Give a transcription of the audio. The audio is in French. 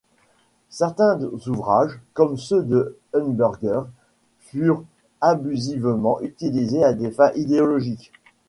Certains ouvrages, comme ceux de Huggenberger, furent abusivement utilisés à des fins idéologiques.